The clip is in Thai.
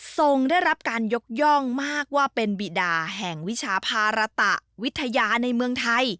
ได้รับการยกย่องมากว่าเป็นบิดาแห่งวิชาภาระตะวิทยาในเมืองไทย